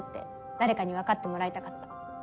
誰かに分かってもらいたかった。